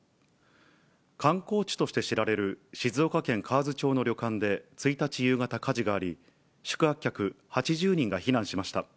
観光地として知られる静岡県河津町の旅館で１日夕方、火事があり、宿泊客８０人が避難しました。